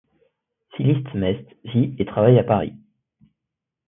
Philippe Meste vit et travaille à Paris.